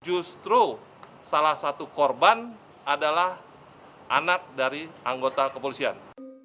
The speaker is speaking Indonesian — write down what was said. justru salah satu korban adalah anak dari anggota kepolisian